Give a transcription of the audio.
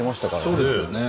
そうですよね。